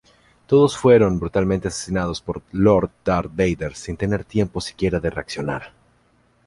Todos fueron brutalmente asesinados por Lord Darth Vader sin tener tiempo siquiera de reaccionar.